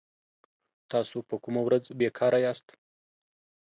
تاسو په کومه ورځ بي کاره ياست